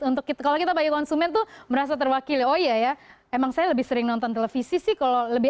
untuk kita kalau kita bagi konsumen itu primeira terwakil yang oh ya ya emang saya lebih sering nonton televisi sih kalau lebih